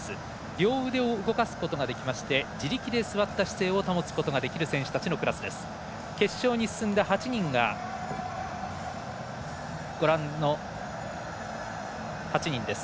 両腕を動かすことができまして自力で座った姿勢を保つことができる選手のクラスです。